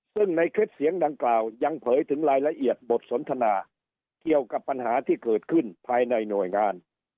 ซึ่งในคลิปเสียงดังกล่าวยังเผยถึงรายละเอียดบทสนทนาเกี่ยวกับปัญหาที่เกิดขึ้นภายในหน่วยงาน